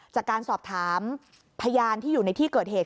จากการสอบถามพยานที่อยู่ในที่เกิดเหตุ